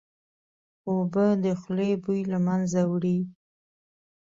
اوبه د خولې بوی له منځه وړي